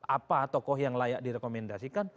apa tokoh yang layak direkomendasikan